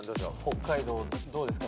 北海道どうですか？